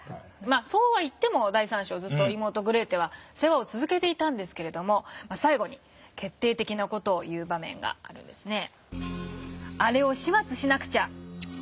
そうは言っても第３章ずっと妹グレーテは世話を続けていたんですけれども最後に決定的な事を言う場面があるんですね。